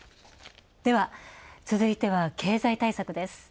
では、続いては経済対策です。